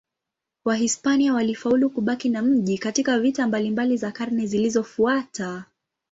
Wahispania walifaulu kubaki na mji katika vita mbalimbali za karne zilizofuata.